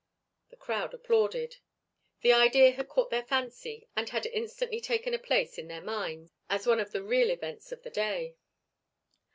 The crowd applauded. The idea had caught their fancy and had instantly taken a place in their minds as one of the real events of the day.